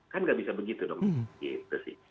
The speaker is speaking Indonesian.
kan nggak bisa begitu dong gitu sih